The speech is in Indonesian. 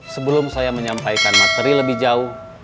sebelum saya menyampaikan materi lebih jauh